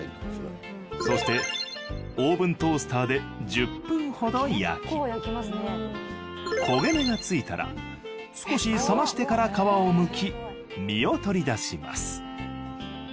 そしてオーブントースターで１０分ほど焼き焦げ目がついたら少し冷ましてから皮をむき実を取り出します